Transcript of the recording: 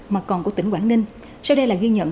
mà còn của tỉnh quảng ninh sau đây là ghi nhận